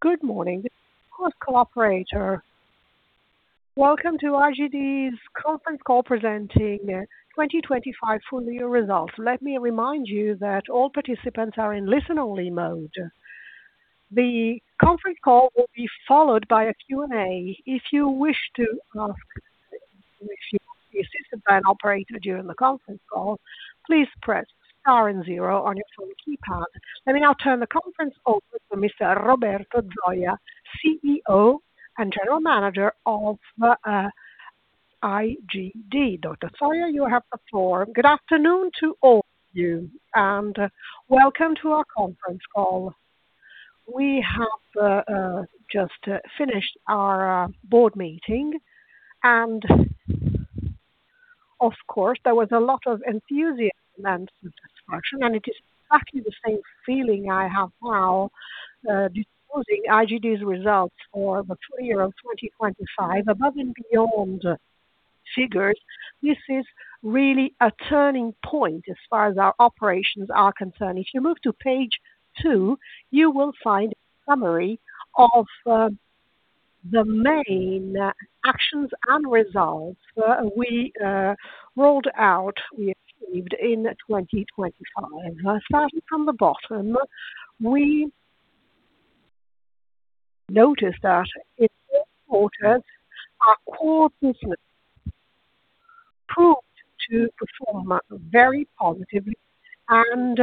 Good morning. This is your host, collaborator. Welcome to IGD's conference call presenting 2025 full year results. Let me remind you that all participants are in listen-only mode. The conference call will be followed by a Q&A. If you wish to be assisted by an operator during the conference call, please press star zero on your phone keypad. Let me now turn the conference over to Mr. Roberto Zoia, CEO and General Manager of IGD. Dr. Zoia, you have the floor. Good afternoon to all of you, welcome to our conference call. We have just finished our board meeting, of course, there was a lot of enthusiasm and satisfaction, it is exactly the same feeling I have now disclosing IGD's results for the full year of 2025 above and beyond figures. This is really a turning point as far as our operations are concerned. If you move to page 2, you will find a summary of the main actions and results we rolled out, we achieved in 2025. Starting from the bottom, we noticed that in all quarters, our core business proved to perform very positively and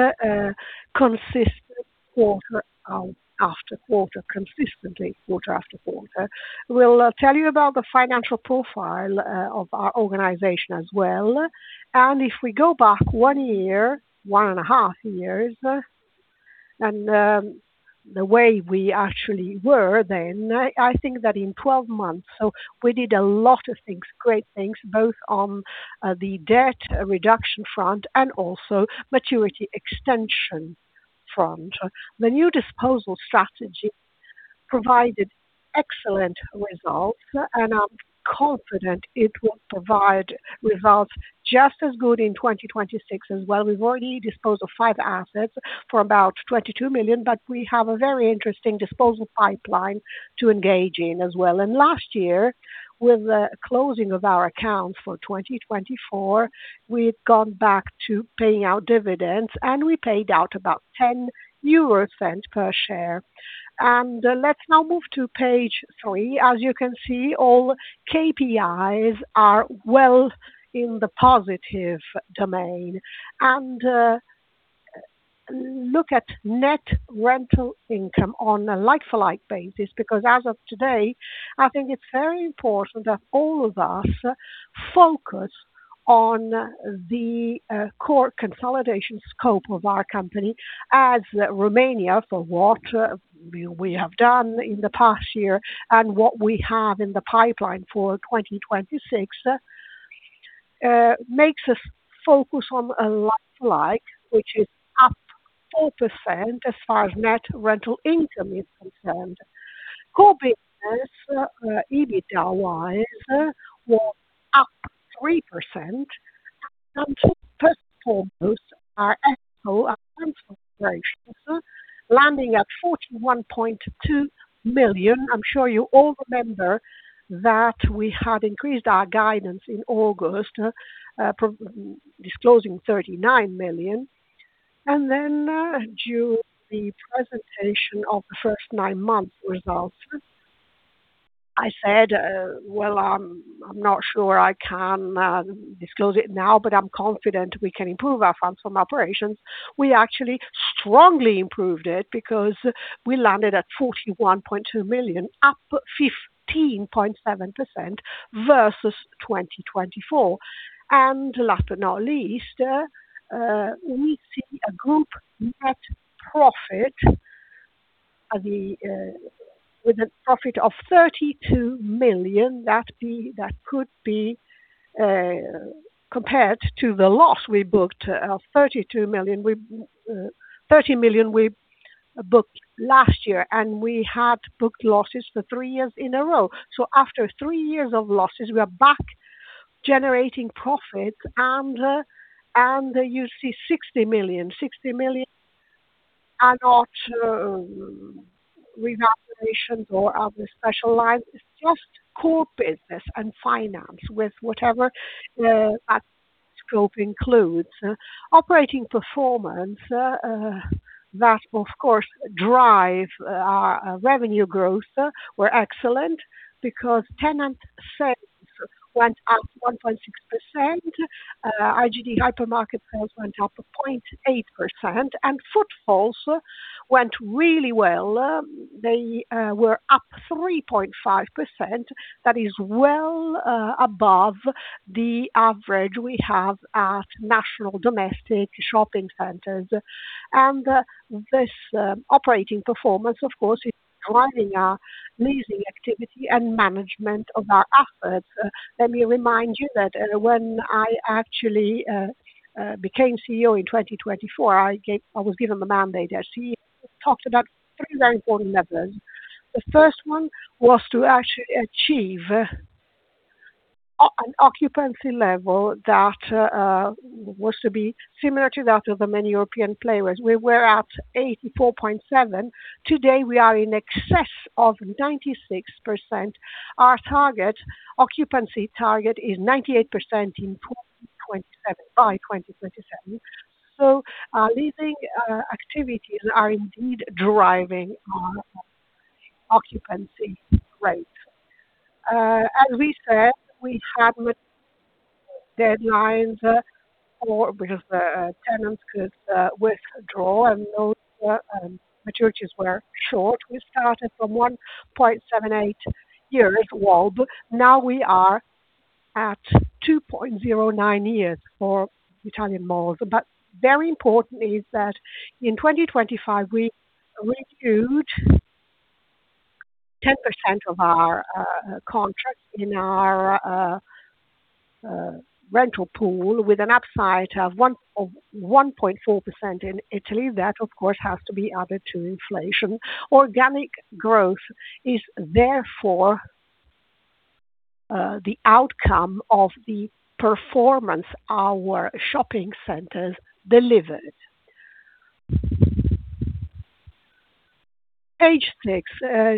consistently quarter after quarter. We'll tell you about the financial profile of our organization as well. If we go back 1 year, 1 and a half years, and the way we actually were then, I think that in 12 months we did a lot of things, great things, both on the debt reduction front and also maturity extension front. The new disposal strategy provided excellent results, and I'm confident it will provide results just as good in 2026 as well. We've already disposed of 5 assets for about 22 million, but we have a very interesting disposal pipeline to engage in as well. Last year, with the closing of our accounts for 2024, we've gone back to paying out dividends, and we paid out about 0.10 per share. Let's now move to page 3. As you can see, all KPIs are well in the positive domain. Look at net rental income on a like-for-like basis, because as of today, I think it's very important that all of us focus on the core consolidation scope of our company as Romania, for what we have done in the past year and what we have in the pipeline for 2026, makes us focus on a like-for-like, which is up 4% as far as net rental income is concerned. Core business, EBITDA-wise, were up 3%, and first and foremost, our FFO, our funds from operations, landing at 41.2 million. I'm sure you all remember that we had increased our guidance in August, disclosing EUR 39 million. Then during the presentation of the first nine months results, I said, Well, I'm not sure I can disclose it now, but I'm confident we can improve our funds from operations. We actually strongly improved it because we landed at 41.2 million, up 15.7% versus 2024. Last but not least, we see a group net profit with a profit of 32 million, that could be compared to the loss we booked of 32 million. We 30 million we booked last year, and we had booked losses for three years in a row. After three years of losses, we are back generating profits and you see 60 million. 60 million are not revaluations or other special lines, it's just core business and finance with whatever that scope includes. Operating performance that of course, drive our revenue growth were excellent because tenant sales went up 1.6%, IGD hypermarket sales went up 0.8%, and footfalls went really well, they were up 3.5%. That is well above the average we have at national domestic shopping centers. This operating performance, of course, is driving our leasing activity and management of our assets. Let me remind you that when I actually became CEO in 2024, I was given the mandate as CEO, talked about three very important levels. The first one was to actually achieve... an occupancy level that was to be similar to that of the many European players. We were at 84.7. Today, we are in excess of 96%. Our target, occupancy target is 98% in 2027, by 2027. Leasing activities are indeed driving our occupancy rate. As we said, we had deadlines for because the tenants could withdraw, and those maturities were short. We started from 1.78 years WALT, now we are at 2.09 years for Italian malls. Very important is that in 2025, we renewed 10% of our contract in our rental pool with an upside of 1.4% in Italy. That, of course, has to be added to inflation. Organic growth is therefore the outcome of the performance our shopping centers delivered. Page 6,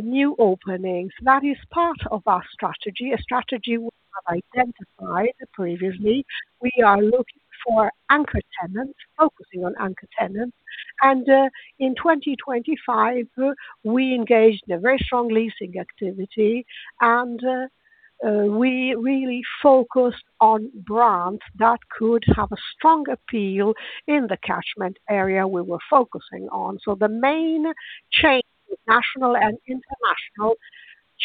new openings. That is part of our strategy, a strategy we have identified previously. We are looking for anchor tenants, focusing on anchor tenants, and in 2025, we engaged in a very strong leasing activity, and we really focused on brands that could have a strong appeal in the catchment area we were focusing on. The main chain, national and international,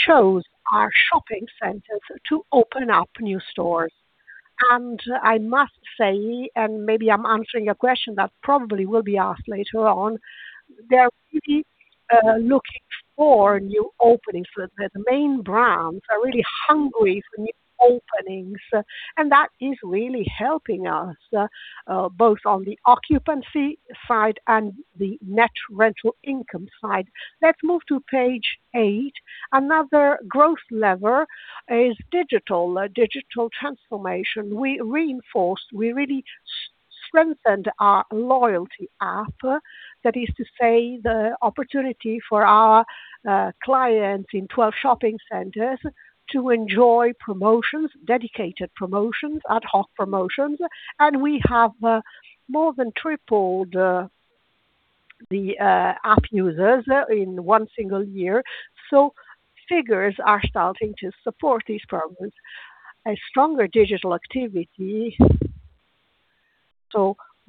chose our shopping centers to open up new stores. I must say, and maybe I'm answering a question that probably will be asked later on, they're really looking for new openings. The main brands are really hungry for new openings, and that is really helping us both on the occupancy side and the net rental income side. Let's move to page 8. Another growth lever is digital transformation. We really strengthened our loyalty app. That is to say, the opportunity for our clients in 12 shopping centers to enjoy promotions, dedicated promotions, ad hoc promotions, and we have more than tripled the app users in one single year. Figures are starting to support these programs. A stronger digital activity,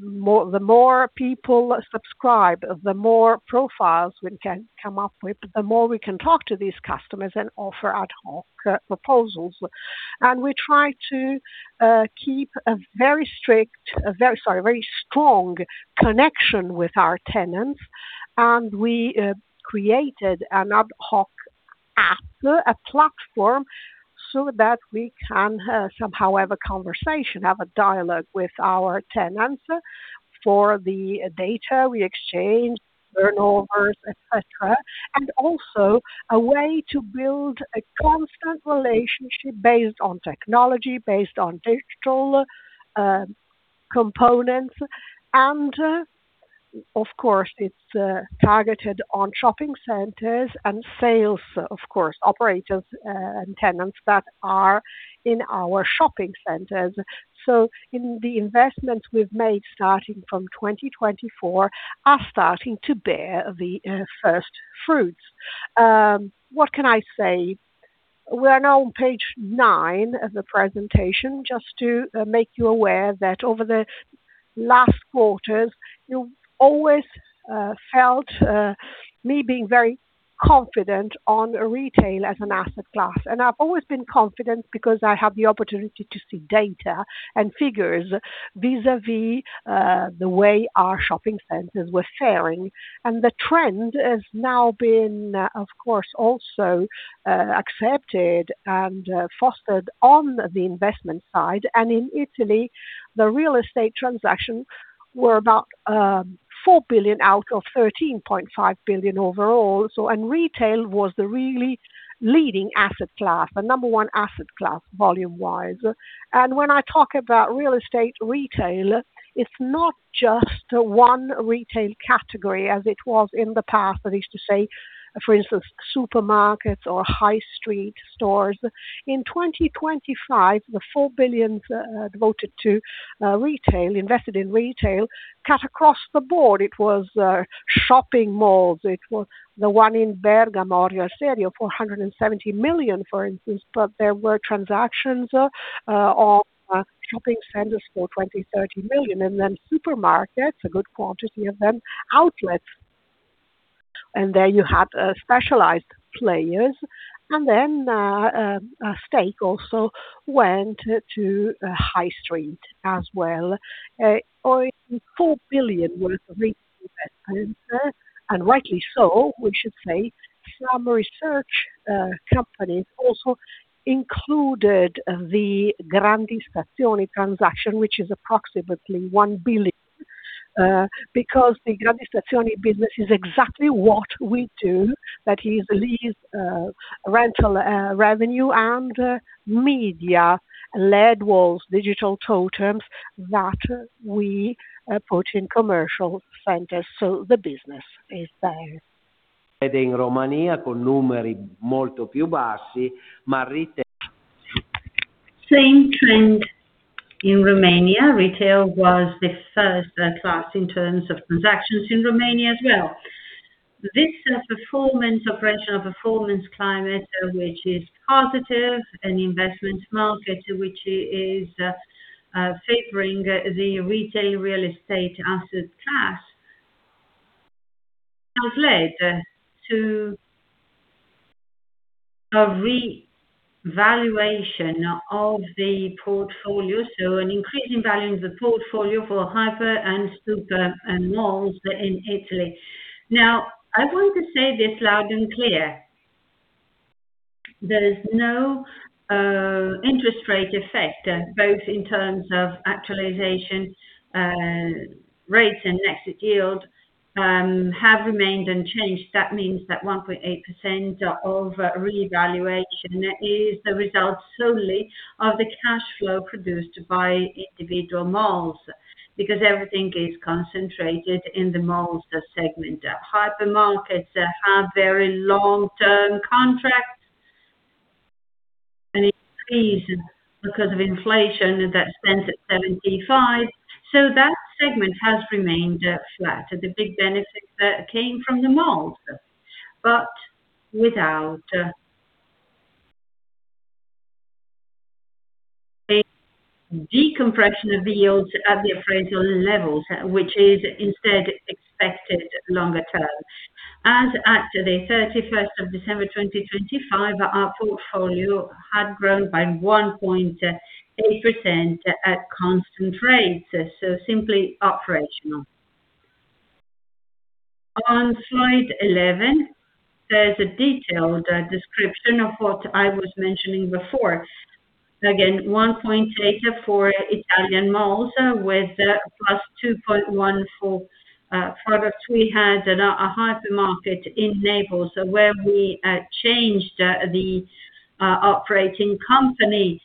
the more people subscribe, the more profiles we can come up with, the more we can talk to these customers and offer ad hoc proposals. We try to keep a very strong connection with our tenants, and we created an ad hoc app, a platform, so that we can somehow have a conversation, have a dialogue with our tenants for the data we exchange, turnovers, et cetera. Also a way to build a constant relationship based on technology, based on digital components. Of course, it's targeted on shopping centers and sales, of course, operators and tenants that are in our shopping centers. In the investments we've made, starting from 2024, are starting to bear the first fruits. What can I say? We are now on page 9 of the presentation, just to make you aware that over the last quarters, you always felt me being very confident on retail as an asset class. I've always been confident because I have the opportunity to see data and figures vis-à-vis the way our shopping centers were fairing. The trend has now been, of course, also accepted and fostered on the investment side. In Italy, the real estate transactions were about 4 billion out of 13.5 billion overall. Retail was the really leading asset class, the number one asset class, volume-wise. When I talk about real estate retail, it's not just one retail category as it was in the past. That is to say, for instance, supermarkets or high street stores. In 2025, the 4 billion devoted to retail, invested in retail, cut across the board. It was shopping malls, it was the one in Orio al Serio, 470 million, for instance, but there were transactions on shopping centers for 20 million-30 million, and then supermarkets, a good quantity of them, outlets. You had specialized players, and then a stake also went to high street as well. 4 billion worth of retail investment, rightly so, we should say some research, companies also included the Grandi Stazioni Retail transaction, which is approximately 1 billion. ... because the Grandi Stazioni Retail business is exactly what we do, that is lease, rental, revenue and media LED walls, digital totems that we approach in commercial centers. The business is there. Same trend in Romania. Retail was the first class in terms of transactions in Romania as well. This performance, operational performance climate, which is positive, and investment market, which is favoring the retail real estate asset class, has led to a revaluation of the portfolio. An increase in value in the portfolio for hyper and super, and malls in Italy. Now, I want to say this loud and clear: there is no interest rate effect, both in terms of actualization rates and exit yield, have remained unchanged. That means that 1.8% of revaluation is the result solely of the cash flow produced by individual malls, because everything is concentrated in the malls segment. Hypermarkets have very long-term contracts, and it increases because of inflation, and that stands at 75. That segment has remained flat. The big benefit came from the malls, but without a decompression of the yields at the appraisal levels, which is instead expected longer term. At the 31st of December 2025, our portfolio had grown by 1.8% at constant rates, so simply operational. On slide 11, there's a detailed description of what I was mentioning before. Again, 1.8 for Italian malls, with +2.1 for products we had at a hypermarket in Naples, where we changed the operating company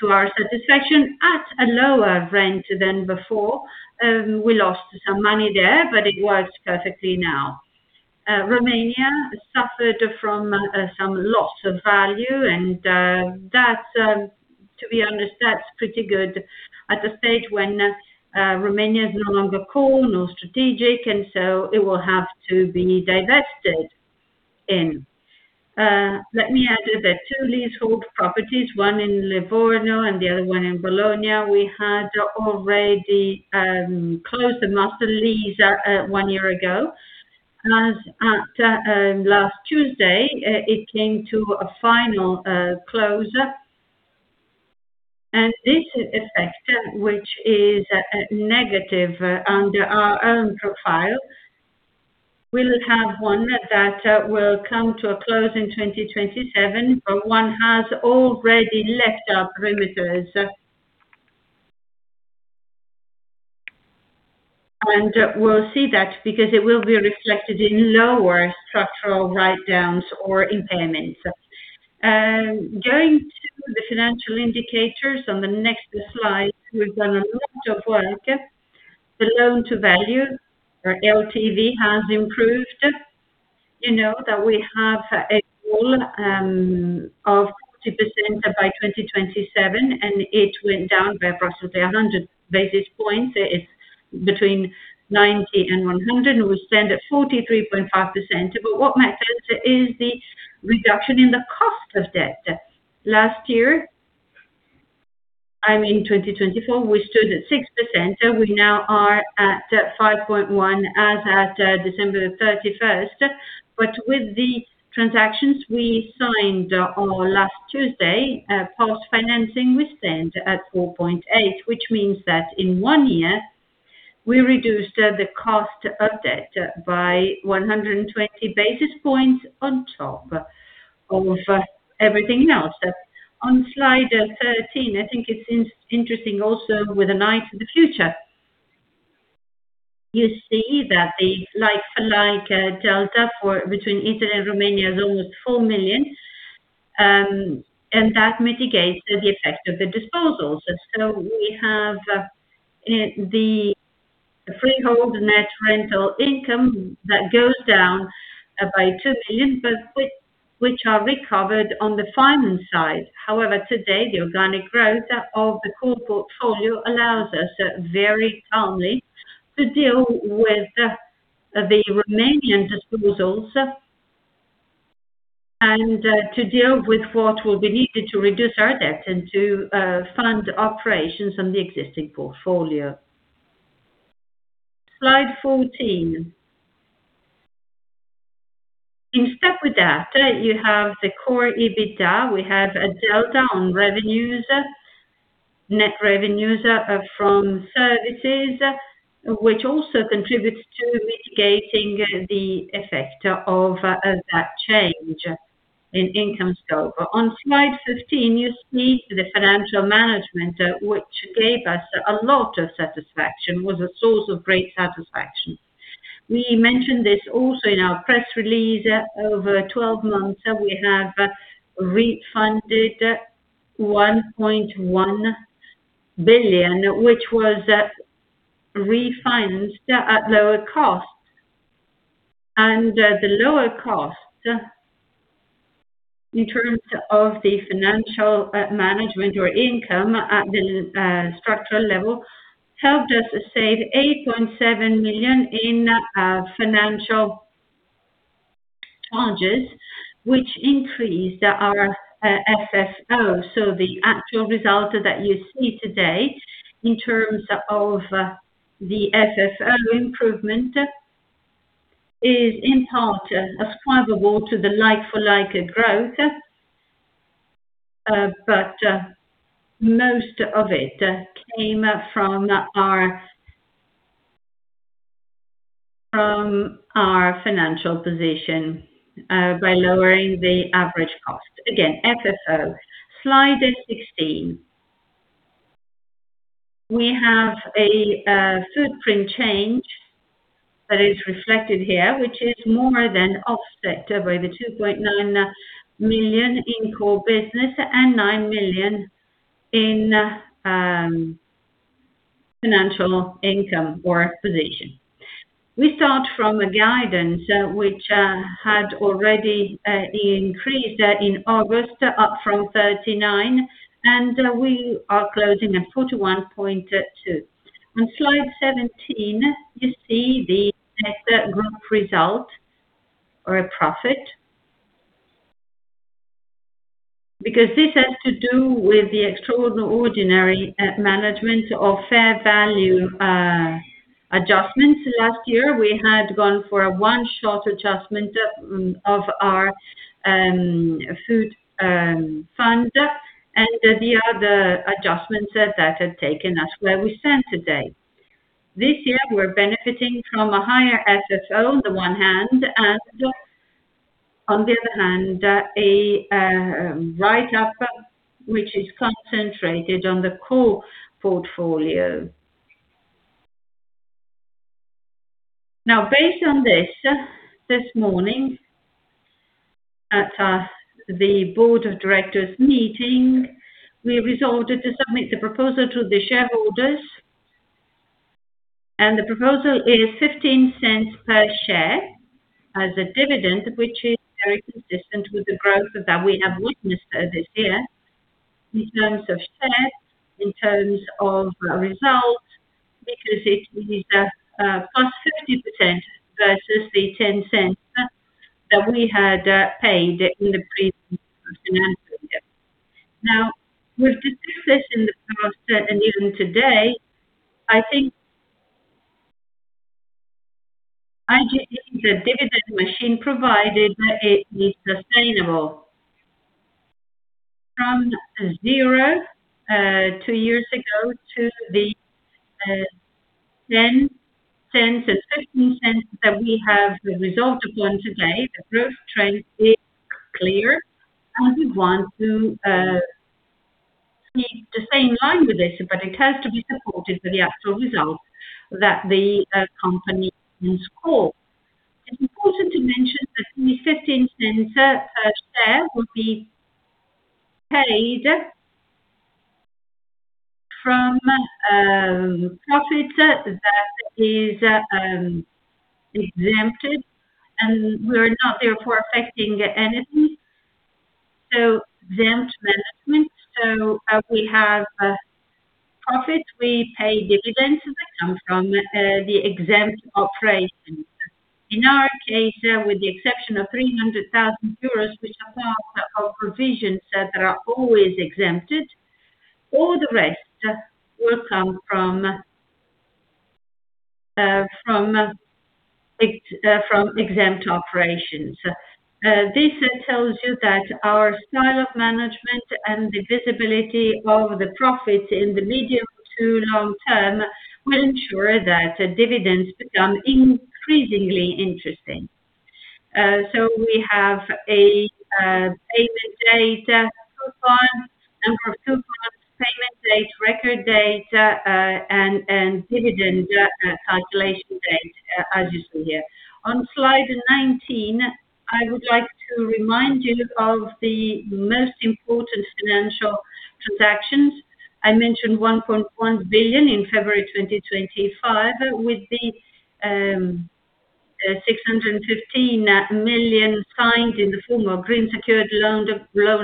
to our satisfaction at a lower rent than before. We lost some money there, but it works perfectly now. Romania suffered from some loss of value, and that, to be honest, that's pretty good at a stage when Romania is no longer core, nor strategic, and so it will have to be divested in. Let me add that there are two leasehold properties, one in Livorno and the other one in Bologna. We had already closed the master lease one year ago. As at last Tuesday, it came to a final close. This effect, which is negative under our own profile, we'll have one that will come to a close in 2027, but one has already left our perimeters. We'll see that because it will be reflected in lower structural write-downs or impairments. Going to the financial indicators on the next slide, we've done a lot of work. The loan-to-value, or LTV, has improved. You know, that we have a goal of 40% by 2027, and it went down by approximately 100 basis points. It's between 90 and 100, and we stand at 43.5%. What matters is the reduction in the cost of debt. Last year, I mean, in 2024, we stood at 6%, we now are at 5.1% as at December 31st. With the transactions we signed on last Tuesday, post-financing, we stand at 4.8, which means that in one year, we reduced the cost of debt by 120 basis points on top of everything else. On slide 13, I think it's interesting also with an eye to the future. You see that the like-for-like delta between Italy and Romania is almost 4 million, and that mitigates the effect of the disposals. We have the freehold net rental income that goes down by 2 million, but which are recovered on the finance side. Today, the organic growth of the core portfolio allows us very calmly to deal with the Romanian disposals, and to deal with what will be needed to reduce our debt and to fund operations on the existing portfolio. Slide 14. In step with that, you have the core EBITDA. We have a delta on revenues, net revenues from services, which also contributes to mitigating the effect of that change in income scope. On slide 15, you see the financial management, which gave us a lot of satisfaction, was a source of great satisfaction. We mentioned this also in our press release. Over 12 months, we have refunded 1.1 billion, which was refinanced at lower cost. The lower cost in terms of the financial management or income at the structural level, helped us save 8.7 million in financial charges, which increased our FFO. The actual results that you see today in terms of the FFO improvement, is in part attributable to the like-for-like growth, but most of it came from our financial position by lowering the average cost. Again, FFO. Slide 16. We have a footprint change that is reflected here, which is more than offset by the 2.9 million in core business and 9 million in financial income or position. We start from a guidance which had already increased in August, up from 39, and we are closing at 41.2. On slide 17, you see the better group result or a profit. This has to do with the extraordinary management of fair value adjustments. Last year, we had gone for a one-shot adjustment of our FFO, and the other adjustments that have taken us where we stand today. This year, we're benefiting from a higher FFO on the one hand, and on the other hand, a write-up, which is concentrated on the core portfolio. Based on this morning, at the board of directors meeting, we resolved to submit the proposal to the shareholders. The proposal is 0.15 per share as a dividend, which is very consistent with the growth that we have witnessed over this year in terms of shares, in terms of results, because it is +50% versus the 0.10 that we had paid in the previous financial year. We've discussed this in the past, and even today, I think... IGD is a dividend machine, provided that it is sustainable. From 0, 2 years ago to the 10 cents and 15 cents that we have resolved upon today, the growth trend is clear, and we want to keep the same line with this, but it has to be supported by the actual results that the company can score. It's important to mention that the 15 cents per share will be paid from profit that is exempted, and we're not therefore affecting anything. Exempt management. We have profit. We pay dividends that come from the exempt operations. In our case, with the exception of 300,000 euros, which are part of provisions that are always exempted, all the rest will come from exempt operations. This tells you that our style of management and the visibility of the profit in the medium to long term will ensure that the dividends become increasingly interesting. We have a payment date, coupon, for coupon, payment date, record date, and dividend calculation date, as you see here. On slide 19, I would like to remind you of the most important financial transactions. I mentioned 1.1 billion in February 2025, with the 615 million signed in the form of green secured loan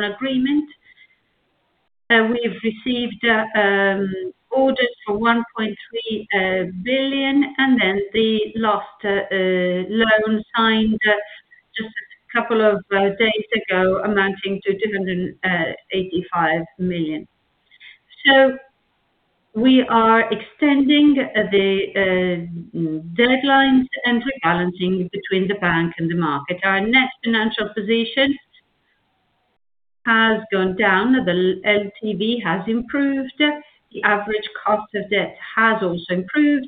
agreement. We have received orders for 1.3 billion, and then the last loan signed just a couple of days ago, amounting to 285 million. We are extending the deadlines and rebalancing between the bank and the market. Our net financial position has gone down, the LTV has improved, the average cost of debt has also improved,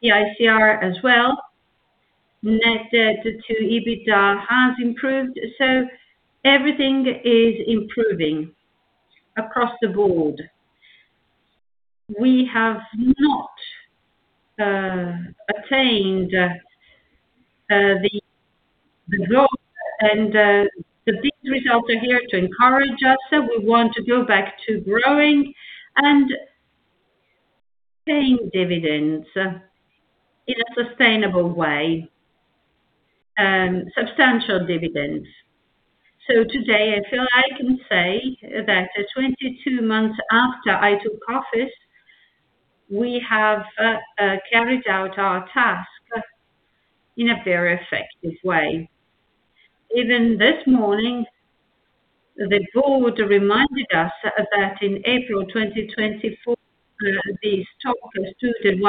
the ICR as well. Net debt to EBITDA has improved, everything is improving across the board. We have not attained the goal, the big results are here to encourage us, we want to go back to growing and paying dividends in a sustainable way, substantial dividends. Today, I feel I can say that 22 months after I took office, we have carried out our task in a very effective way. Even this morning, the board reminded us that in April 2024, this stock was traded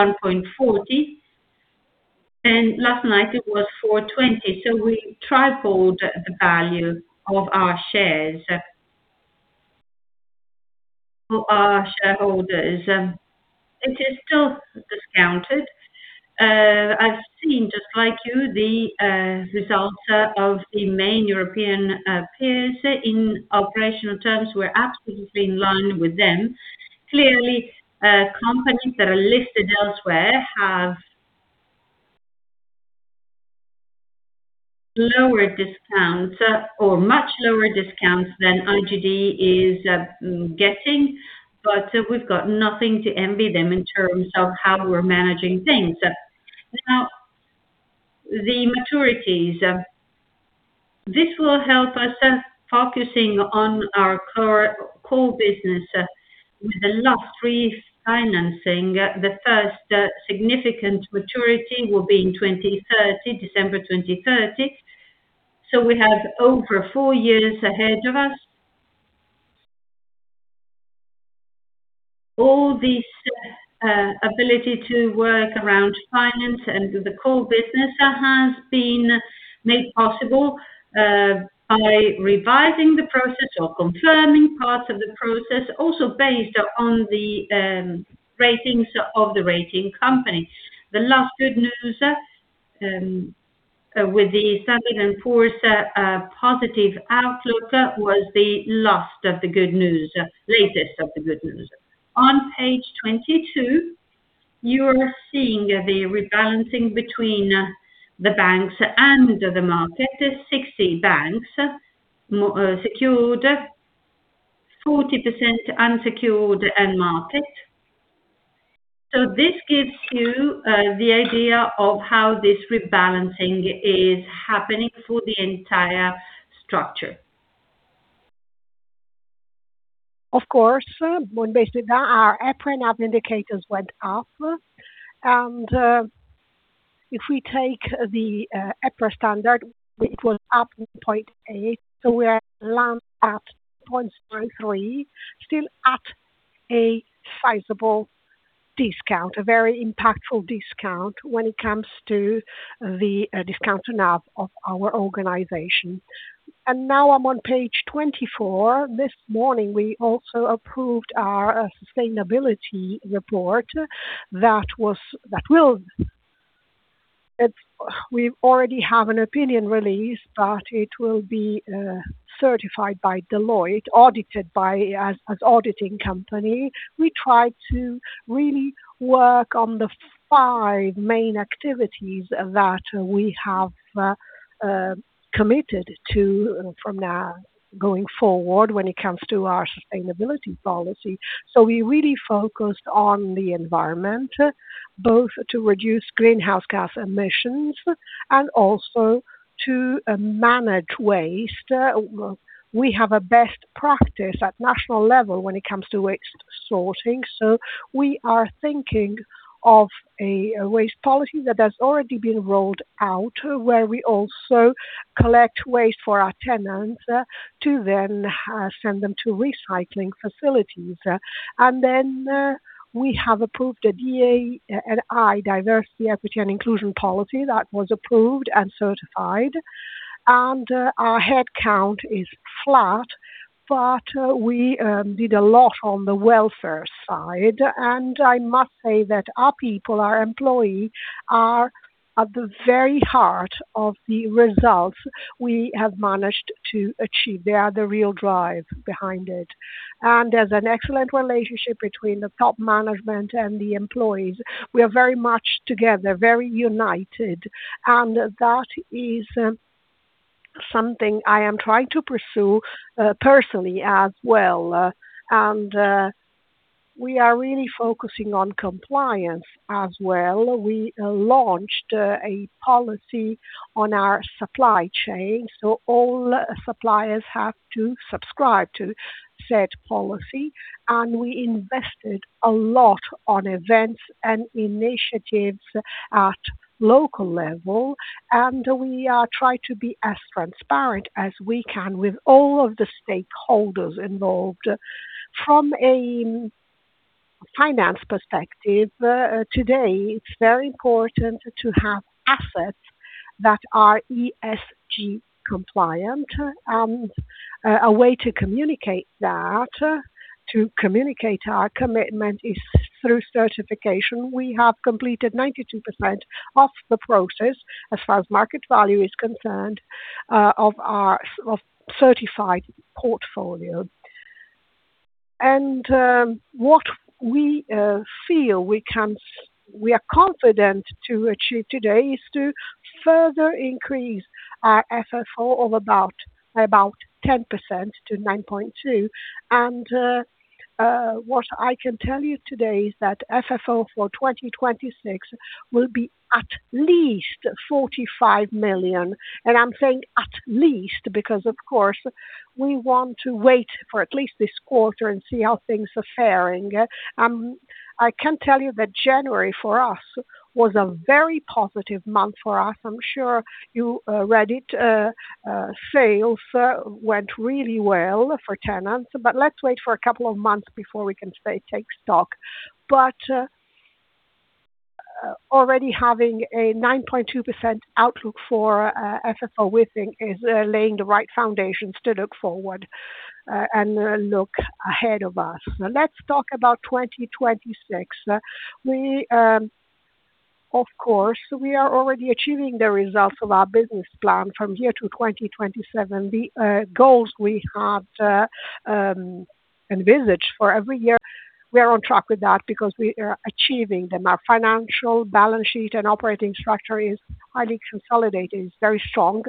at EUR 1.40, last night it was 4.20. We tripled the value of our shares for our shareholders. It is still discounted. I've seen, just like you, the results of the main European peers. In operational terms, we're absolutely in line with them. Clearly, companies that are listed elsewhere have lower discounts or much lower discounts than IGD is getting, but we've got nothing to envy them in terms of how we're managing things. The maturities, this will help us focusing on our core business with a lot free financing. The first significant maturity will be in 2030, December 2030, we have over 4 years ahead of us. All this ability to work around finance and the core business has been made possible by revising the process or confirming parts of the process, also based on the ratings of the rating company. The last good news with the S&P Global Ratings positive outlook, was the last of the good news, latest of the good news. On page 22, you're seeing the rebalancing between the banks and the market, is 60 banks, secured, 40% unsecured and market. This gives you the idea of how this rebalancing is happening for the entire structure. Of course, when based on that, our EPRA NAV indicators went up. If we take the EPRA standard, it was up 0.8, so we are land at 0.03, still at a sizable discount. A very impactful discount when it comes to the discount to NAV of our organization. Now I'm on page 24. This morning, we also approved our sustainability report that will, we already have an opinion released, but it will be certified by Deloitte, audited by as auditing company. We tried to really work on the five main activities that we have committed to from now going forward when it comes to our sustainability policy. We really focused on the environment, both to reduce greenhouse gas emissions and also to manage waste. We have a best practice at national level when it comes to waste sorting, so we are thinking of a waste policy that has already been rolled out, where we also collect waste for our tenants, to then send them to recycling facilities. We have approved a DE&I, diversity, equity, and inclusion policy that was approved and certified. Our head count is flat, we did a lot on the welfare side. I must say that our people, our employee, are at the very heart of the results we have managed to achieve. They are the real drive behind it. There's an excellent relationship between the top management and the employees. We are very much together, very united, and that is something I am trying to pursue personally as well. We are really focusing on compliance as well. We launched a policy on our supply chain, so all suppliers have to subscribe to said policy. We invested a lot on events and initiatives at local level, and we are trying to be as transparent as we can with all of the stakeholders involved. ...finance perspective, today, it's very important to have assets that are ESG compliant, and a way to communicate that, to communicate our commitment is through certification. We have completed 92% of the process, as far as market value is concerned, of our certified portfolio. What we feel we are confident to achieve today is to further increase our FFO of about 10% to 9.2. What I can tell you today is that FFO for 2026 will be at least 45 million. I'm saying at least because, of course, we want to wait for at least this quarter and see how things are faring. I can tell you that January for us was a very positive month for us. I'm sure you read it, sales went really well for tenants, but let's wait for a couple of months before we can say, take stock. Already having a 9.2% outlook for FFO, we think, is laying the right foundations to look forward and look ahead of us. Let's talk about 2026. Of course, we are already achieving the results of our business plan from here to 2027. The goals we have envisaged for every year, we are on track with that because we are achieving them. Our financial balance sheet and operating structure is highly consolidated, it's very strong,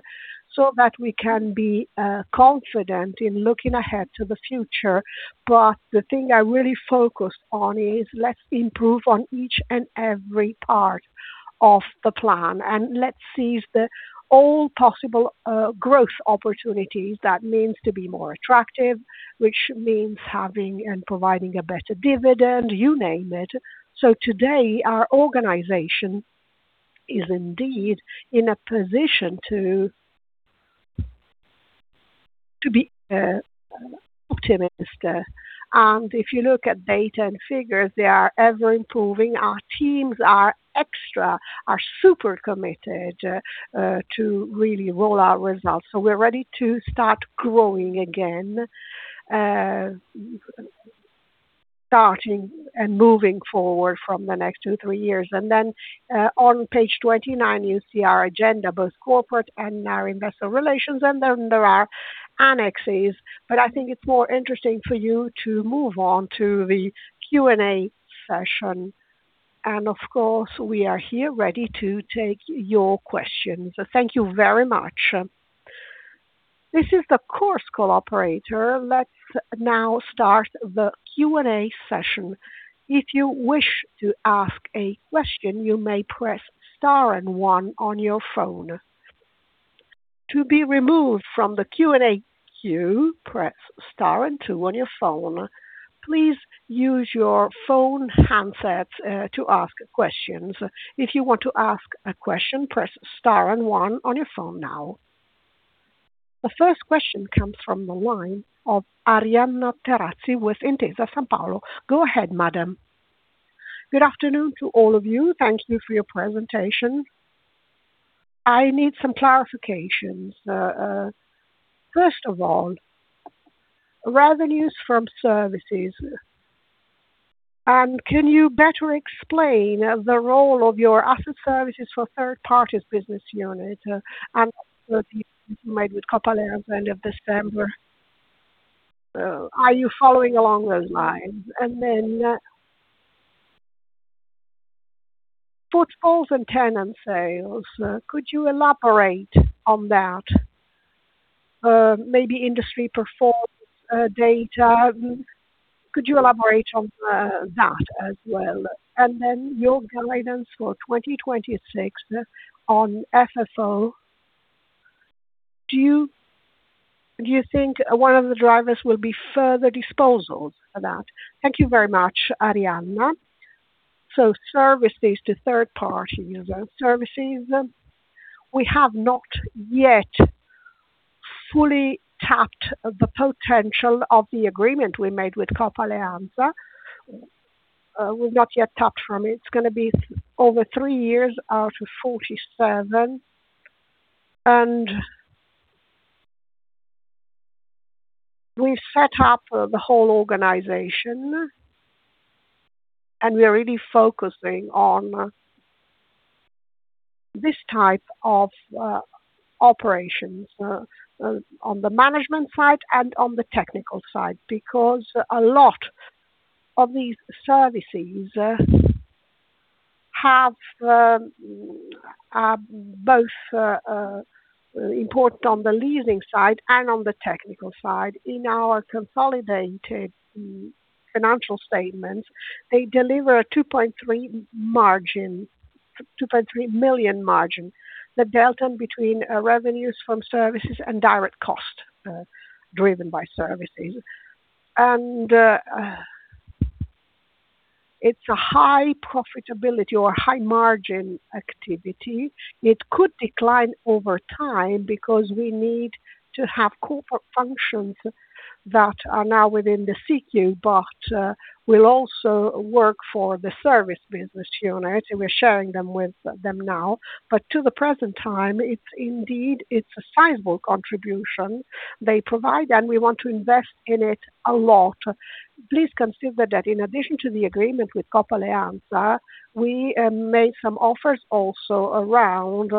so that we can be confident in looking ahead to the future. The thing I really focus on is, let's improve on each and every part of the plan, and let's seize the all possible growth opportunities. That means to be more attractive, which means having and providing a better dividend, you name it. Today, our organization is indeed in a position to be optimist. If you look at data and figures, they are ever improving. Our teams are extra, are super committed to really roll out results. We're ready to start growing again, starting and moving forward from the next two, three years. On page 29, you see our agenda, both corporate and our investor relations, and then there are annexes. I think it's more interesting for you to move on to the Q&A session. Of course, we are here ready to take your questions. Thank you very much. This is the course call operator. Let's now start the Q&A session. If you wish to ask a question, you may press star 1 on your phone. To be removed from the Q&A queue, press star 2 on your phone. Please use your phone handsets to ask questions. If you want to ask a question, press star 1 on your phone now. The first question comes from the line of Go ahead, madam. Good afternoon to all of you. Thank you for your presentation. I need some clarifications. First of all, revenues from services. Can you better explain the role of your asset services for third-party business unit, and the deal made with Coop Alleanza 3.0 end of December? Are you following along those lines? Then portfolios and tenant sales, could you elaborate on that? Maybe industry performance data. Could you elaborate on that as well? Then your guidance for 2026 on FFO, do you think one of the drivers will be further disposals for that? Thank you very much, Arianna Terazzi. Services to third parties, services, we have not yet fully tapped the potential of the agreement we made with Coop Alleanza 3.0. We've not yet tapped from it. It's gonna be over 3 years out of 47, and we set up the whole organization, and we are really focusing on this type of operations on the management side and on the technical side, because a lot of these services have both important on the leasing side and on the technical side. In our consolidated financial statements, they deliver a 2.3 margin, 2.3 million margin, the delta between revenues from services and direct costs driven by services. It's a high profitability or high margin activity. It could decline over time because we need to have corporate functions that are now within the SIIQ, but will also work for the service business unit, and we're sharing them with them now. To the present time, it's indeed, it's a sizable contribution they provide, and we want to invest in it a lot. Please consider that in addition to the agreement with Coop Alleanza 3.0, we made some offers also around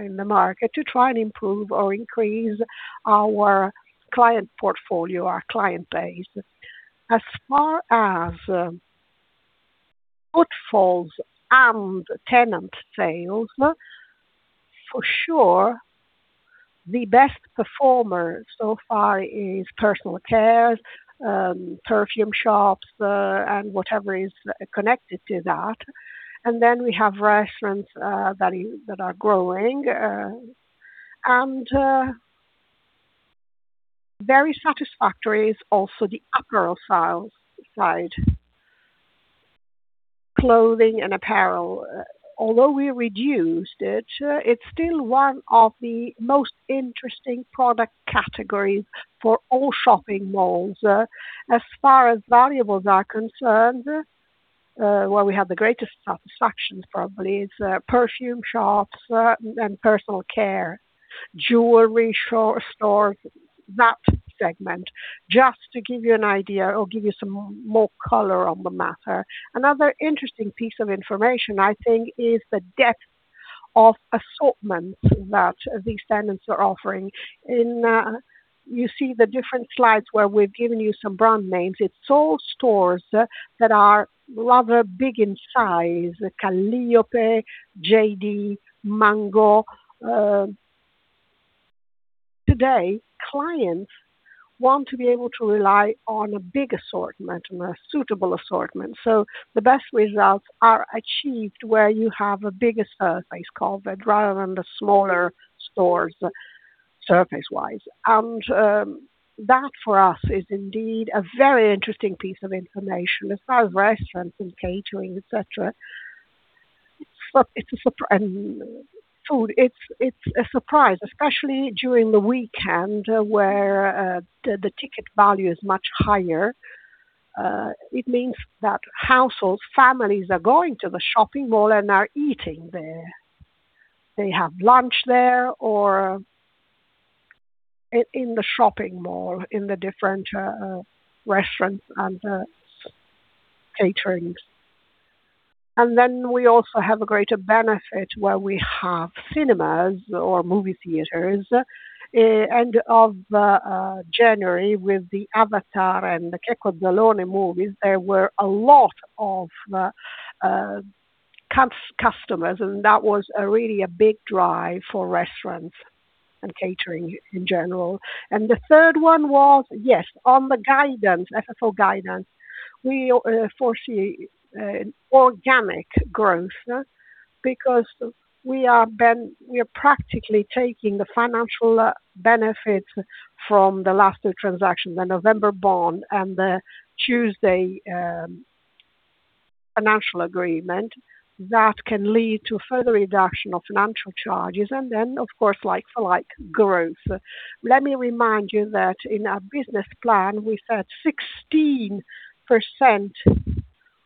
in the market to try and improve or increase our client portfolio, our client base. As far as footfalls and tenant sales, for sure, the best performer so far is personal care, perfume shops, and whatever is connected to that. We have restaurants that are growing, and very satisfactory is also the apparel sales side, clothing and apparel. Although we reduced it's still one of the most interesting product categories for all shopping malls. As far as valuables are concerned, where we have the greatest satisfaction probably is perfume shops, and personal care, jewelry stores, that segment. Just to give you an idea or give you some more color on the matter. Another interesting piece of information, I think, is the depth of assortment that these tenants are offering. In, you see the different slides where we've given you some brand names. It's all stores that are rather big in size, Calliope, JD, Mango. Today, clients want to be able to rely on a big assortment and a suitable assortment. The best results are achieved where you have a bigger surface covered rather than the smaller stores, surface-wise. That, for us, is indeed a very interesting piece of information. As far as restaurants and catering, et cetera, but food, it's a surprise, especially during the weekend, where the ticket value is much higher. It means that households, families are going to the shopping mall and are eating there. They have lunch there or in the shopping mall, in the different restaurants and caterings. We also have a greater benefit where we have cinemas or movie theaters. End of January, with the Avatar and the Checco Zalone movies, there were a lot of customers, and that was a really a big drive for restaurants and catering in general. The third one was, yes, on the guidance, FFO guidance, we foresee organic growth because we are practically taking the financial benefit from the last two transactions, the November bond and the Tuesday financial agreement, that can lead to further reduction of financial charges, and then, of course, like-for-like growth. Let me remind you that in our business plan, we said 16%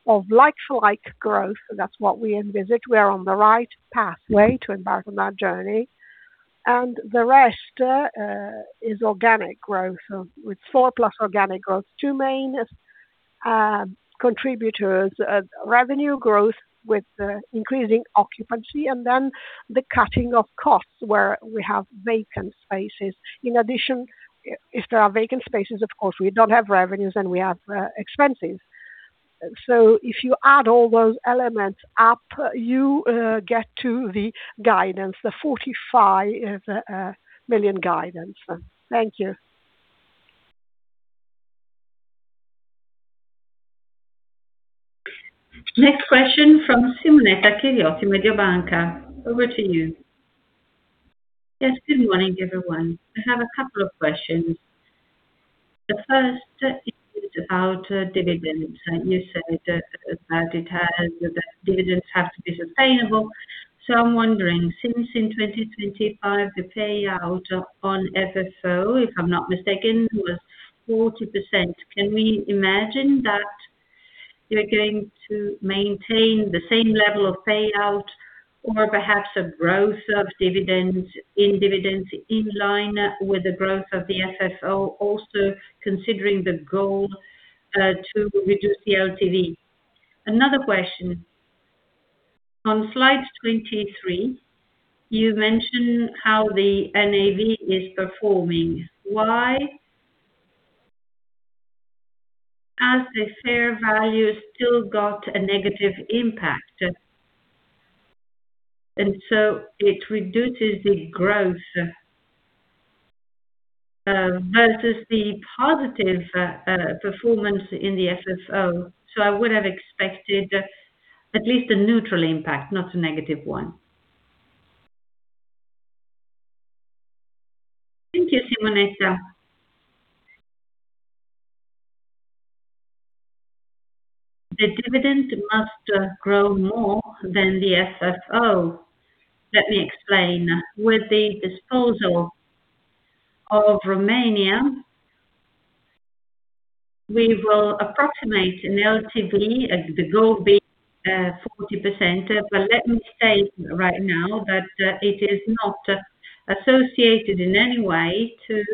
of like-for-like growth. That's what we envisage. We are on the right pathway to embark on that journey, and the rest is organic growth with 4+ organic growth. Two main contributors, revenue growth with the increasing occupancy, and then the cutting of costs where we have vacant spaces. If there are vacant spaces, of course, we don't have revenues, and we have expenses. If you add all those elements up, you get to the guidance, the 45 million guidance. Thank you. Next question from Simonetta Chiriotti, Mediobanca. Over to you. Yes, good morning, everyone. I have a couple of questions. The first is about dividends. You said that that it has, that dividends have to be sustainable. I'm wondering, since in 2025, the payout on FFO, if I'm not mistaken, was 40%, can we imagine that you're going to maintain the same level of payout or perhaps a growth of dividends in line with the growth of the FFO, also considering the goal to reduce the LTV? Another question: on slide 23, you mentioned how the NAV is performing. Why has the fair value still got a negative impact? It reduces the growth versus the positive performance in the FFO. I would have expected at least a neutral impact, not a negative one. Thank you, Simonetta. The dividend must grow more than the FFO. Let me explain. With the disposal of Romania, we will approximate relatively as the goal be 40%. Let me state right now that it is not associated in any way to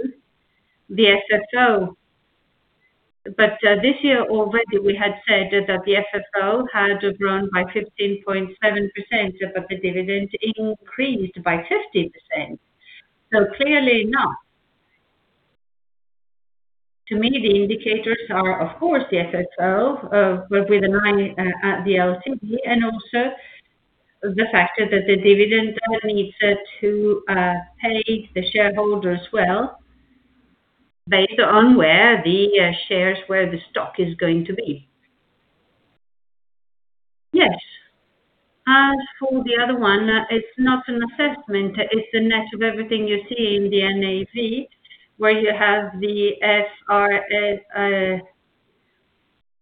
the FFO. This year already, we had said that the FFO had grown by 15.7%, but the dividend increased by 50%. Clearly not. To me, the indicators are, of course, the FFO, with an eye at the LTV, and also the fact that the dividend needs to pay the shareholders well, based on where the shares, where the stock is going to be. Yes. As for the other one, it's not an assessment, it's a net of everything you see in the NAV, where you have the IBR,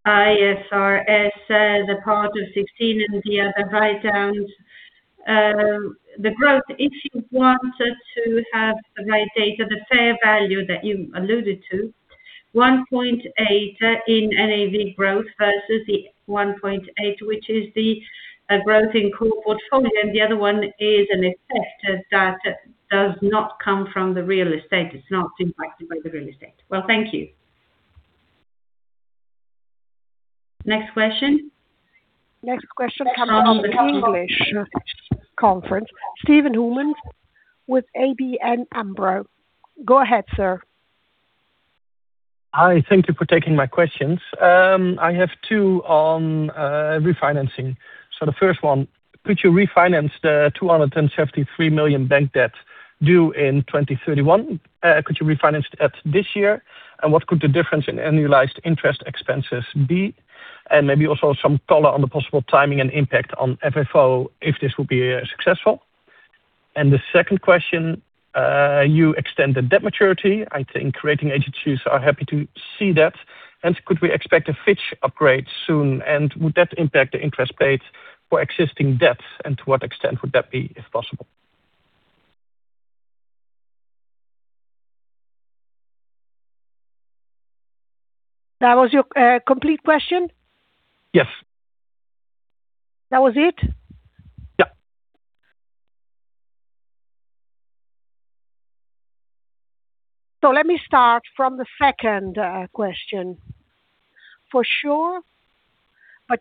IFRS as a part of 16 and the other write-downs. The growth, if you wanted to have the right data, the fair value that you alluded to, 1.8% in NAV growth versus the 1.8%, which is the growth in core portfolio. The other one is an effect that does not come from the real estate. It's not impacted by the real estate. Well, thank you. Next question. Next question comes from the English conference. Steven Boumans with ABN AMRO. Go ahead, sir. Hi. Thank you for taking my questions. I have two on refinancing. The first one, could you refinance the 273 million bank debt due in 2031? Could you refinance it at this year? What could the difference in annualized interest expenses be? Maybe also some color on the possible timing and impact on FFO, if this would be successful. The second question, you extend the debt maturity. I think rating agencies are happy to see that. Could we expect a Fitch upgrade soon? Would that impact the interest paid for existing debts, and to what extent would that be, if possible? That was your complete question? Yes. That was it? Yeah. Let me start from the second question.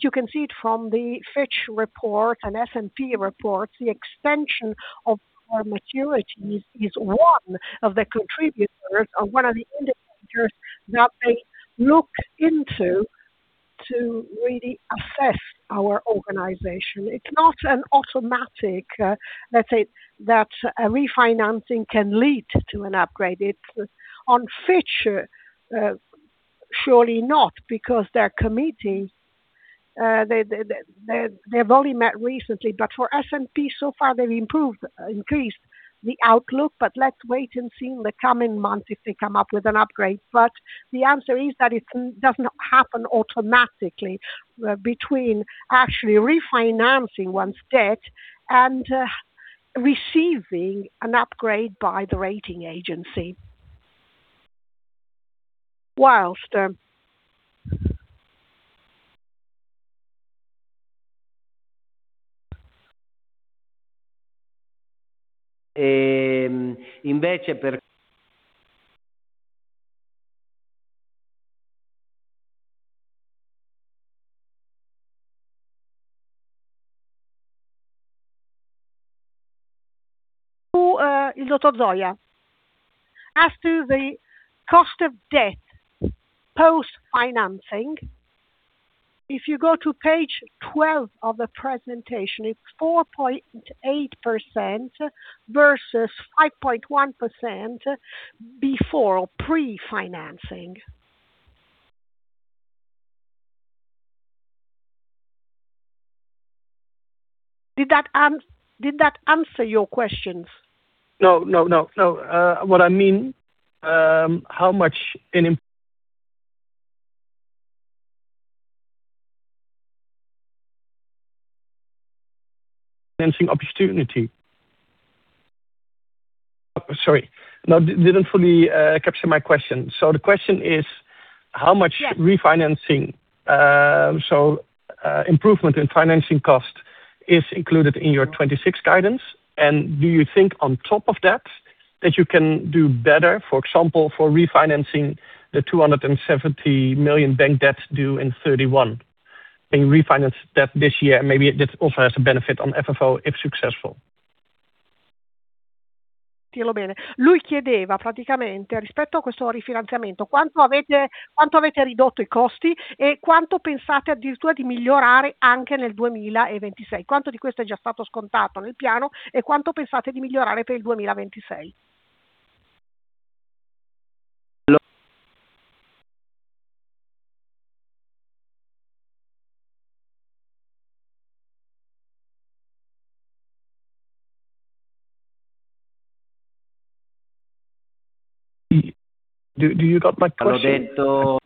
You can see it from the Fitch report and S&P reports, the extension of our maturity is one of the contributors or one of the indicators that they look into to really assess our organization. It's not an automatic, let's say, that a refinancing can lead to an upgrade. It's on Fitch, surely not, because their committee, they've only met recently. For S&P, so far, they've improved, increased the outlook, but let's wait and see in the coming months if they come up with an upgrade. The answer is that it does not happen automatically, between actually refinancing one's debt and receiving an upgrade by the rating agency. Whilst. Um, To, Dr. Zoia, as to the cost of debt post-financing, if you go to page 12 of the presentation, it's 4.8% versus 5.1% before pre-financing. Did that answer your questions? mean, how much an financing opportunity. Sorry, no, didn't fully capture my question. The question is, how much Yes. Refinancing, improvement in financing cost is included in your 2026 guidance, and do you think on top of that you can do better, for example, for refinancing the 270 million bank debts due in 2031, in refinance debt this year, and maybe this also has a benefit on FFO, if successful? Hello. Do you got my question?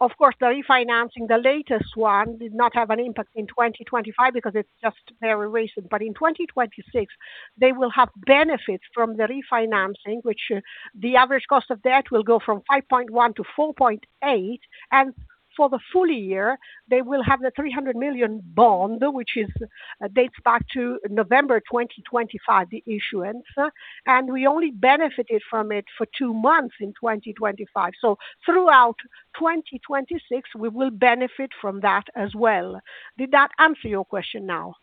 Of course, the refinancing, the latest one, did not have an impact in 2025 because it's just very recent. In 2026, they will have benefits from the refinancing, which the average cost of debt will go from 5.1 to 4.8, and for the full year, they will have the 300 million bond, which dates back to November 2025, the issuance, and we only benefited from it for 2 months in 2025. Throughout 2026, we will benefit from that as well. Did that answer your question now?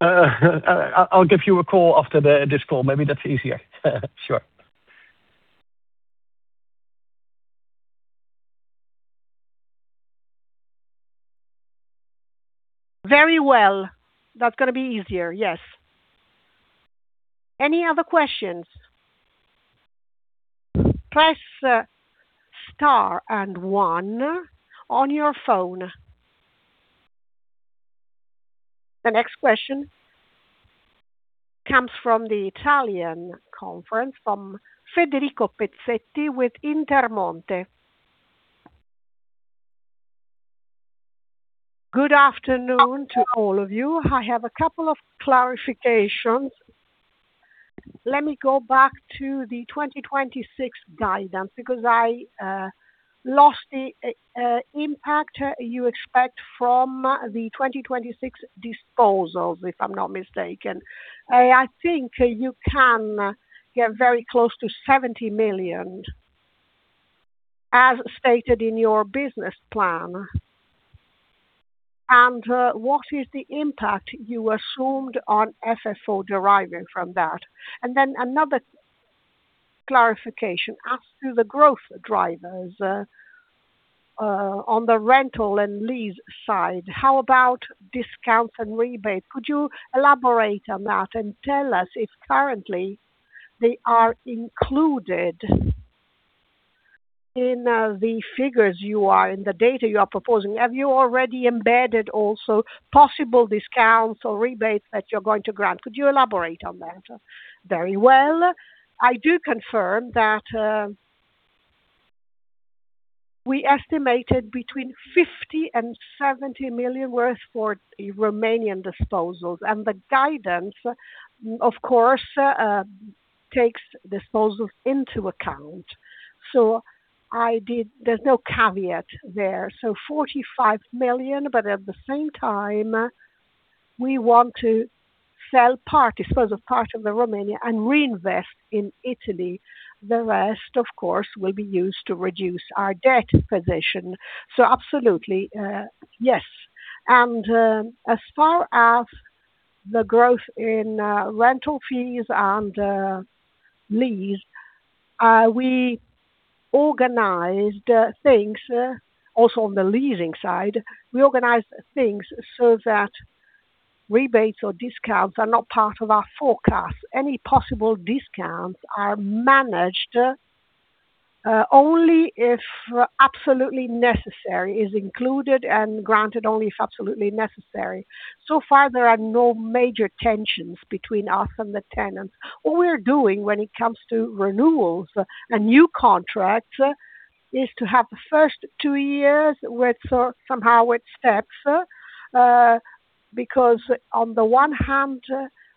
I'll give you a call after this call. Maybe that's easier. Sure. Very well. That's going to be easier. Yes. Any other questions? Press star and one on your phone. The next question comes from the Italian conference, from Federico Pezzetti with Intermonte. Good afternoon to all of you. I have a couple of clarifications. Let me go back to the 2026 guidance, because I lost the impact you expect from the 2026 disposals, if I'm not mistaken. I think you can get very close to 70 million, as stated in your business plan. What is the impact you assumed on FFO deriving from that? Another clarification: as to the growth drivers on the rental and lease side, how about discounts and rebates? Could you elaborate on that and tell us if currently they are included in the data you are proposing? Have you already embedded also possible discounts or rebates that you're going to grant? Could you elaborate on that? Very well. I do confirm that we estimated between 50 million and 70 million worth for the Romanian disposals, and the guidance, of course, takes disposals into account. There's no caveat there. 45 million, but at the same time, we want to sell part, dispose a part of the Romania and reinvest in Italy. The rest, of course, will be used to reduce our debt position. Absolutely, yes. As far as the growth in rental fees and lease, we organized things also on the leasing side, we organized things so that rebates or discounts are not part of our forecast. Any possible discounts are managed only if absolutely necessary, is included and granted only if absolutely necessary. Far, there are no major tensions between us and the tenants. What we're doing when it comes to renewals and new contracts, is to have the first two years with somehow with steps because on the one hand,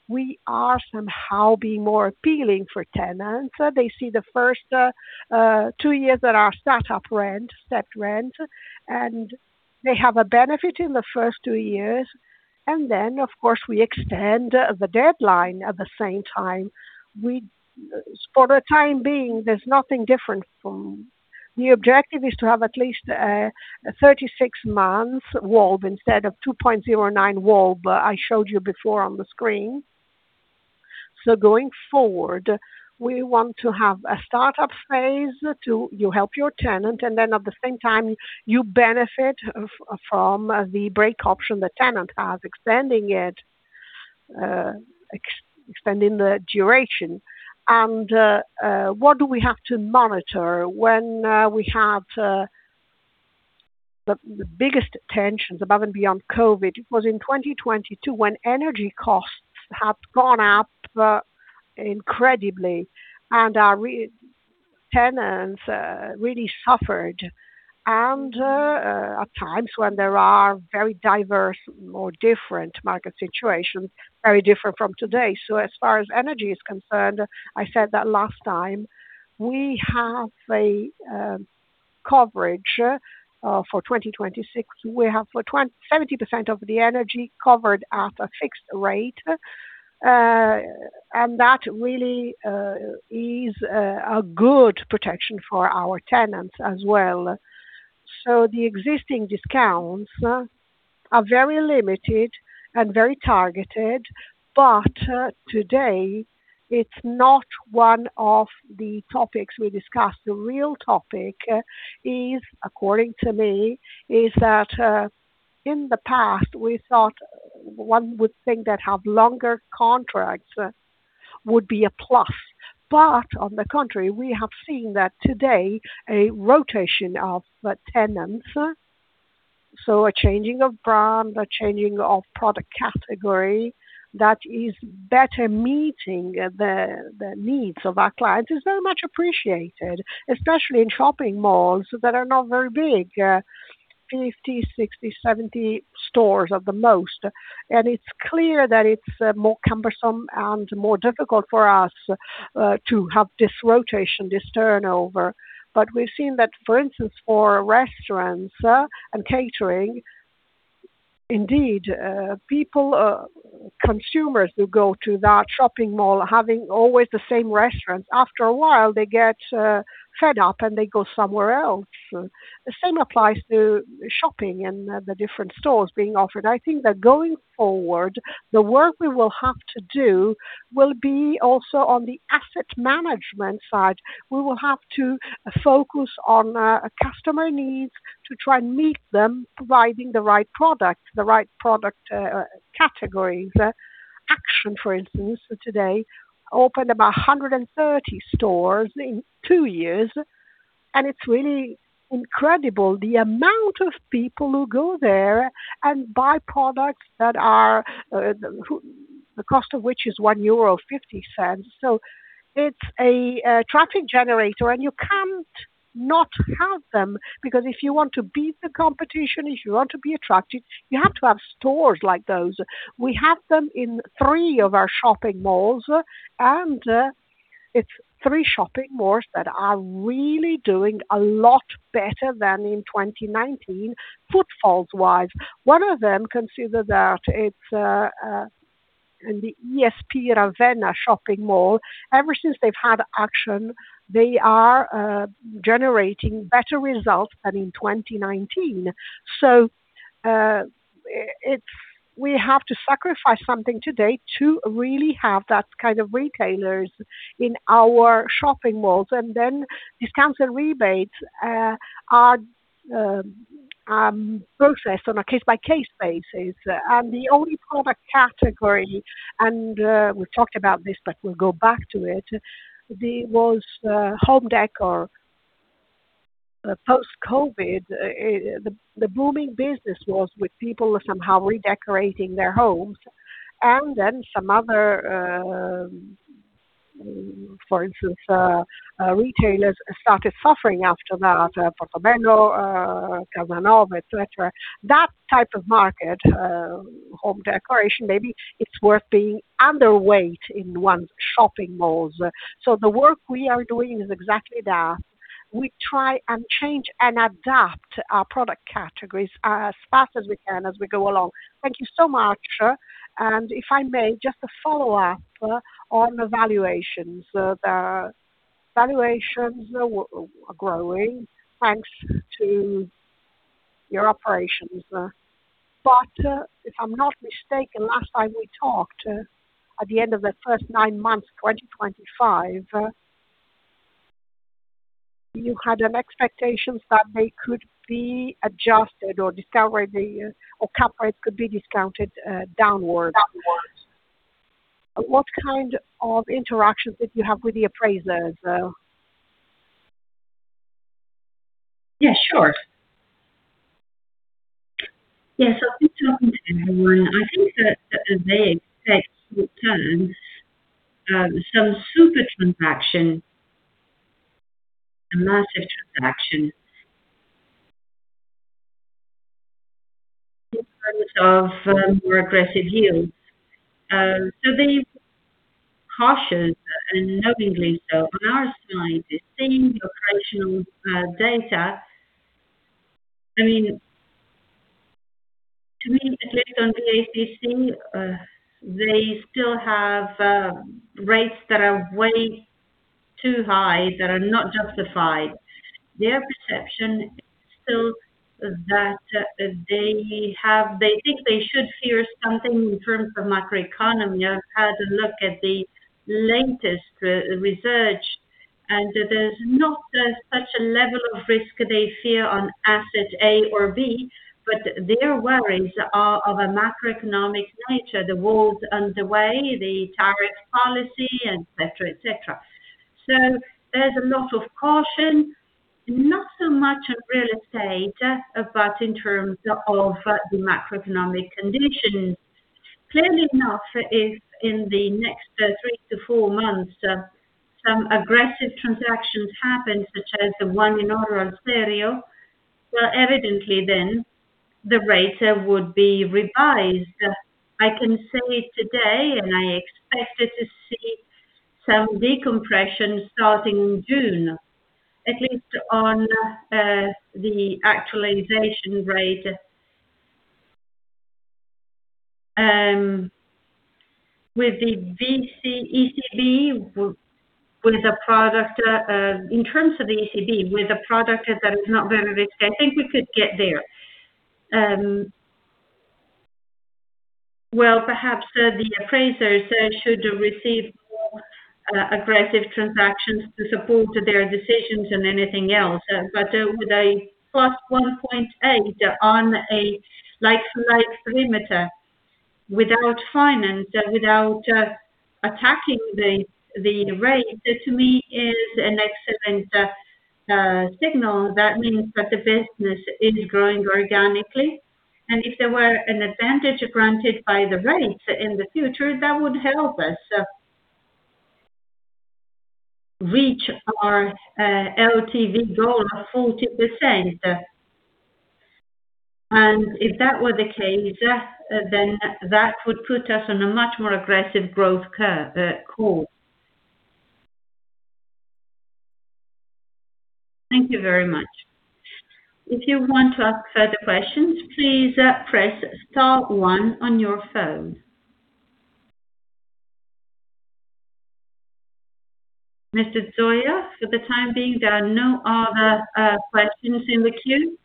we are somehow being more appealing for tenants. They see the first two years at our start-up rent, set rent, and they have a benefit in the first two years, and then, of course, we extend the deadline at the same time. For the time being, there's nothing different from. The objective is to have at least a 36-month WAB instead of 2.09 WAB, I showed you before on the screen. Going forward, we want to have a startup phase to you help your tenant, and then at the same time, you benefit from the break option the tenant has, extending it, extending the duration. What do we have to monitor when we have the biggest tensions above and beyond COVID? It was in 2022, when energy costs had gone up incredibly and our tenants really suffered. At times when there are very diverse or different market situations, very different from today. As far as energy is concerned, I said that last time, we have a coverage for 2026. We have for 70% of the energy covered at a fixed rate, and that really is a good protection for our tenants as well. The existing discounts... are very limited and very targeted, but today, it's not one of the topics we discussed. The real topic is, according to me, is that in the past, we thought one would think that have longer contracts would be a plus. On the contrary, we have seen that today, a rotation of the tenants, so a changing of brand, a changing of product category that is better meeting the needs of our clients is very much appreciated, especially in shopping malls that are not very big, 50, 60, 70 stores at the most. It's clear that it's more cumbersome and more difficult for us to have this rotation, this turnover. We've seen that, for instance, for restaurants and catering, indeed, people, consumers who go to that shopping mall, having always the same restaurant, after a while, they get fed up, and they go somewhere else. The same applies to shopping and the different stores being offered. I think that going forward, the work we will have to do will be also on the asset management side. We will have to focus on customer needs to try and meet them, providing the right product categories. Action, for instance, today, opened about 130 stores in 2 years, and it's really incredible the amount of people who go there and buy products that are the cost of which is 1.50 euro. It's a traffic generator, and you can't not have them, because if you want to beat the competition, if you want to be attractive, you have to have stores like those. We have them in three of our shopping malls, and it's three shopping malls that are really doing a lot better than in 2019, footfalls-wise. One of them, consider that it's in the ESP Ravenna shopping mall. Ever since they've had Action, they are generating better results than in 2019. We have to sacrifice something today to really have that kind of retailers in our shopping malls. Discounts and rebates are processed on a case-by-case basis. The only product category, and we talked about this, but we'll go back to it, was home decor. Post-COVID, the booming business was with people somehow redecorating their homes, some other, for instance, retailers started suffering after that, Portobello, Kasanova, et cetera. That type of market, home decoration, maybe it's worth being underweight in one shopping malls. The work we are doing is exactly that. We try and change and adapt our product categories as fast as we can, as we go along. Thank you so much. If I may, just a follow-up on the valuations. The valuations are growing, thanks to your operations, if I'm not mistaken, last time we talked, at the end of the first nine months, 2025, you had an expectations that they could be adjusted or discounted, or cap rates could be discounted downward. What kind of interactions did you have with the appraisers, though? Yeah, sure. Yes, I've been talking to everyone. I think that they expect with time, some super transaction, a massive transaction, in terms of more aggressive yields. They're cautious, and knowingly so. On our side, the same operational data, I mean, to me, at least on the ACC, they still have rates that are way too high, that are not justified. Their perception is still that they think they should fear something in terms of macroeconomy. I've had a look at the latest research. There's not such a level of risk they fear on asset A or B. Their worries are of a macroeconomic nature, the wars underway, the tariff policy, et cetera, et cetera. There's a lot of caution, not so much on real estate, but in terms of the macroeconomic conditions. Clearly enough, if in the next 3 to 4 months, some aggressive transactions happen, such as the one in Orio al Serio, evidently the rate would be revised. I can say today, I expect it to see some decompression starting in June, at least on the actualization rate. In terms of the ECB, with a product that is not very risky, I think we could get there. Perhaps the appraisers should receive more aggressive transactions to support their decisions and anything else. With a +1.8 on a like-for-like perimeter, without finance, without attacking the rate, to me, is an excellent signal. That means that the business is growing organically, and if there were an advantage granted by the rates in the future, that would help us reach our LTV goal of 40%. If that were the case, that would put us on a much more aggressive growth course. Thank you very much. If you want to ask further questions, please press star one on your phone. Mr. Zoia, for the time being, there are no other questions in the queue.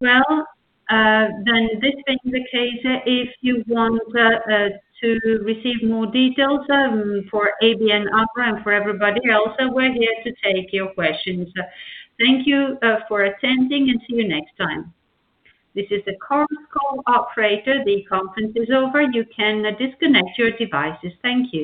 This being the case, if you want to receive more details, for ABN AMRO and for everybody else, we're here to take your questions. Thank you for attending, and see you next time. This is the conference call operator. The conference is over. You can disconnect your devices. Thank you.